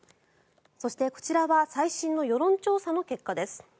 そして、こちらは最新の世論調査の結果です。